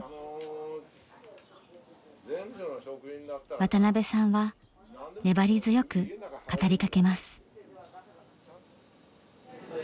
渡邊さんは粘り強く語りかけます。